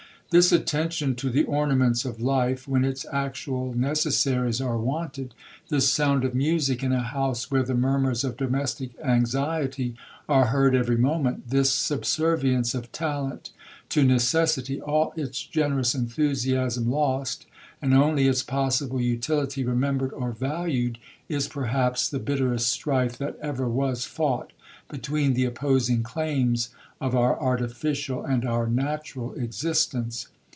This attention to the ornaments of life, when its actual necessaries are wanted,—this sound of music in a house where the murmurs of domestic anxiety are heard every moment,—this subservience of talent to necessity, all its generous enthusiasm lost, and only its possible utility remembered or valued,—is perhaps the bitterest strife that ever was fought between the opposing claims of our artificial and our natural existence.